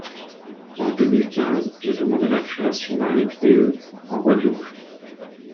En deux mille quinze, j’ai demandé la création d’un EPIDE en Guadeloupe.